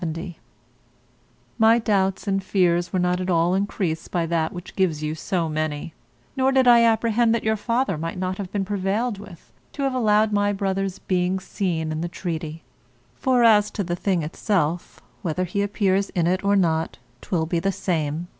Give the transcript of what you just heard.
_ My doubts and fears were not at all increased by that which gives you so many, nor did I apprehend that your father might not have been prevailed with to have allowed my brother's being seen in the treaty; for as to the thing itself, whether he appears in't or not, 'twill be the same.